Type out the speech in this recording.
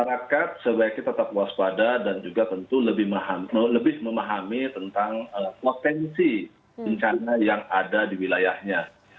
masyarakat sebaiknya tetap waspada dan juga tentu lebih memahami tentang potensi bencana yang ada di wilayahnya